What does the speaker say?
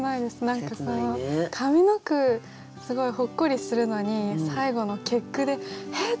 何か上の句すごいほっこりするのに最後の結句でえっ！